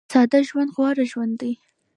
ساده ژوند غوره ژوند دی